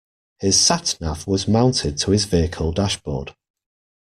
His sat nav was mounted to his vehicle dashboard